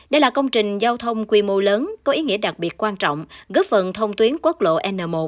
đây là công trình giao thông quy mô lớn có ý nghĩa đặc biệt quan trọng góp phần thông tuyến quốc lộ n một